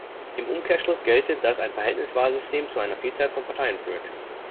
Im Umkehrschluss gelte, dass ein Verhältniswahlsystem zu einer Vielzahl von Parteien führt.